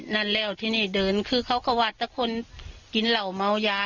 นั่นแล้วที่นี่เดินคือเขาก็ว่าแต่คนกินเหล่าเมายา